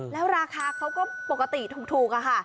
แล้วราคาเขาก็ปกติถูกอะค่ะ